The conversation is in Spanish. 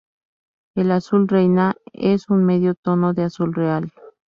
El azul reina es un medio tono de azul real.